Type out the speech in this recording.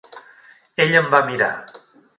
Ell em va mirar.